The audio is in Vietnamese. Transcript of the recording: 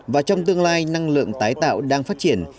và trong tương lai năng lượng tái tạo đang phát triển